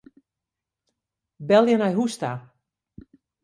Belje nei hûs ta.